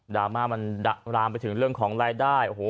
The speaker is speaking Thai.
ราม่ามันดะรามไปถึงเรื่องของรายได้โอ้โห